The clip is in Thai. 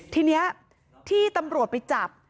ทีนี้ที่ตำรวจไปจับ